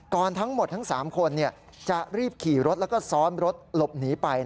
ทั้งหมดทั้ง๓คนจะรีบขี่รถแล้วก็ซ้อนรถหลบหนีไป